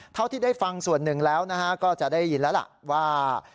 เท่าที่ได้ฟังส่วนหนึ่งแล้วก็จะได้ยินแล้วล่ะว่า